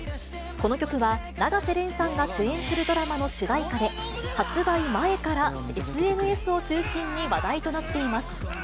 この曲は、永瀬廉さんが主演するドラマの主題歌で、発売前からＳＮＳを中心に話題となっています。